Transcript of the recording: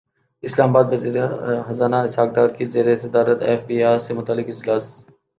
اسلام اباد وزیر خزانہ اسحاق ڈار کی زیر صدارت ایف بی ار سے متعلق اجلاس